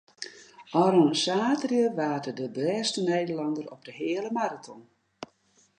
Ofrûne saterdei waard er de bêste Nederlanner op de heale maraton.